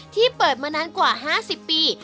ที่เปิดมานานกว่า๕๐ปี